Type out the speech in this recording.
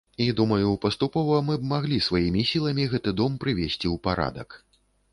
І, думаю, паступова мы б маглі сваімі сіламі гэты дом прывесці ў парадак.